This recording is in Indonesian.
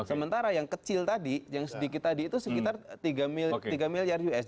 sementara yang kecil tadi yang sedikit tadi itu sekitar tiga miliar us